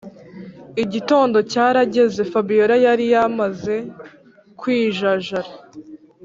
igitondo cyarageze fabiora yari yamaze kwijajara